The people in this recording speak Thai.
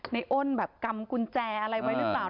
อ้นแบบกำกุญแจอะไรไว้หรือเปล่า